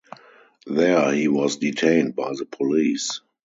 There he was detained by the police.